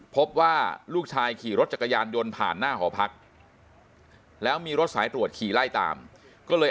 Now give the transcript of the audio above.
พบว่าลูกชายขี่รถจักรยานยนต์ผ่านหน้าหอพักแล้วมีรถสายตรวจขี่ไล่ตามก็เลย